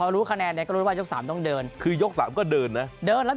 รู้คะแนนก็รู้ว่าโ๊ค๓ต้องเดินคือยก๓ก็เดินนะ